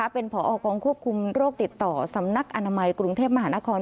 เป็นผอกองควบคุมโรคติดต่อสำนักอนามัยกรุงเทพมหานคร